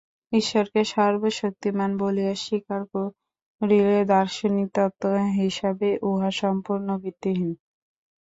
ঈশ্বরকে সর্বশক্তিমান বলিয়া স্বীকার করিলে দার্শনিক তত্ত্ব হিসাবে উহা সম্পূর্ণ ভিত্তিহীন।